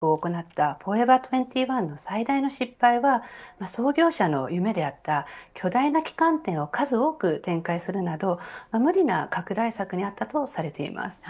２０１９年に破産申告を行ったフォーエバー２１の最大の失敗は創業者の夢であった巨大な旗艦店を数多く展開するなど無理な拡大策にあったとされています。